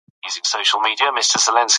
هغې په خپله لیکنه کې حقیقت بیان کړ.